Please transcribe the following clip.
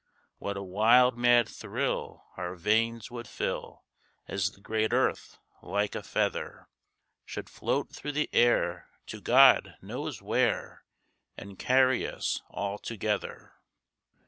What a wild mad thrill our veins would fill As the great earth, like a feather, Should float through the air to God knows where, And carry us all together.